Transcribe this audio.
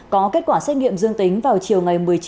có kết quả xét nghiệm dương tính vào chiều một mươi chín chín